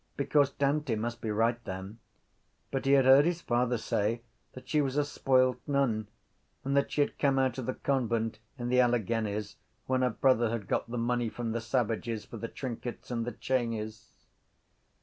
Because Dante must be right then. But he had heard his father say that she was a spoiled nun and that she had come out of the convent in the Alleghanies when her brother had got the money from the savages for the trinkets and the chainies.